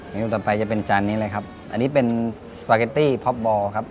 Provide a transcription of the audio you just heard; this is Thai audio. เมนูต่อไปจะเป็นจานนี้เลยครับอันนี้เป็นสปาเกตตี้พ็อปบอลครับ